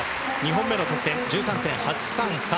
２本目の得点、１３．８３３。